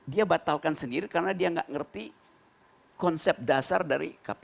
dia batalkan sendiri karena dia nggak ngerti konsep dasar dari kpk